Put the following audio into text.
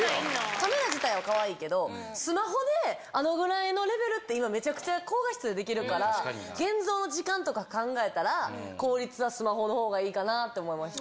カメラ自体はかわいいけど、スマホであのぐらいのレベルって、今、めちゃくちゃ高画質でできるから、現像の時間とか考えたら、効率はスマホのほうがいいかなって思いました。